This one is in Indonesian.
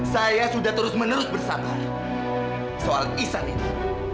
saya sudah terus menerus bersabar soal ihsan itu